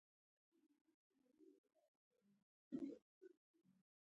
د چرګانو روغتیا د شیدو او هګیو کیفیت تضمینوي.